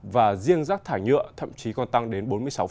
và riêng rác thải nhựa thậm chí còn tăng đến bốn mươi sáu